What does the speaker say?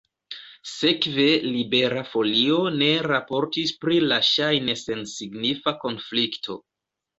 Sekve Libera Folio ne raportis pri la ŝajne sensignifa konflikto.